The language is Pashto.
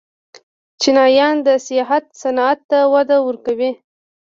چینایان د سیاحت صنعت ته وده ورکوي.